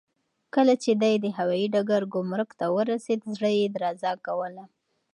کله چې دی د هوايي ډګر ګمرک ته ورسېد، زړه یې درزا کوله.